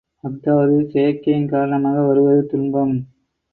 அஃதாவது செயற்கையின் காரணமாக வருவது துன்பம்.